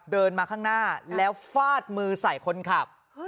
เดินมาข้างหน้าแล้วฟาดมือใส่คนขับ